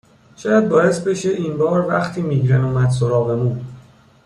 شاید باعث بشه این بار وقتی میگرِن اومد سراغمون